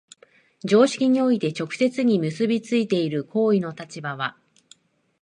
常識において直接に結び付いている行為の立場は、